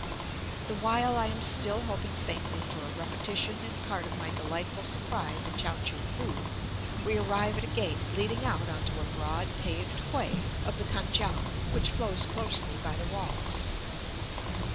The while I am still hoping faintly for a repetition in part of my delightful surprise at Chao choo foo, we arrive at a gate leading out on to a broad paved quay of the Kan kiang, which flows close by the walls.